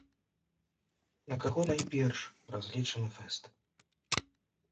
На каго найперш разлічаны фэст?